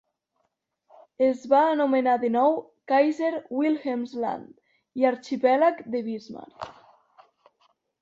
Es va anomenar de nou Kaiser-Wilhelmsland i Arxipèlag de Bismarck.